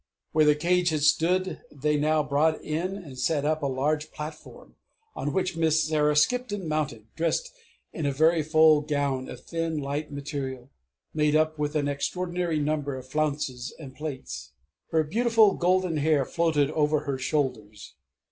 Where the Cage had stood they now brought in and set up a large platform, on which Miss Sarah Skipton mounted, dressed in a very full gown of thin, light material, made with an extraordinary number of flounces or plaits; her beautiful golden hair floated over her shoulders.